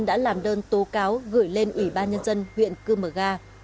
đã làm đơn tố cáo gửi lên ủy ban nhân dân huyện cư mờ ga